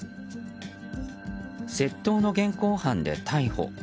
窃盗の現行犯で逮捕。